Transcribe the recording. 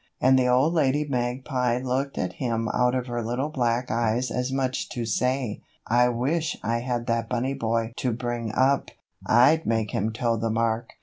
And the old lady magpie looked at him out of her little black eyes as much as to say: "I wish I had that bunny boy to bring up, I'd make him toe the mark."